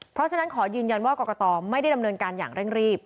เพราะฉะนั้นขอยืนยันว่ากรกตไม่ได้ดำเนินการอย่างเร่งรีบ